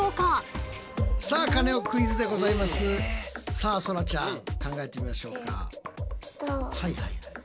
さあそらちゃん考えてみましょうか。